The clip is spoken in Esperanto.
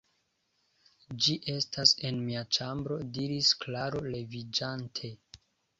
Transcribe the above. Ĝi estas en mia ĉambro diris Klaro leviĝante.